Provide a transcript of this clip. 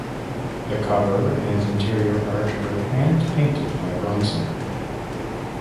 The cover and interior art were hand painted by Bronson.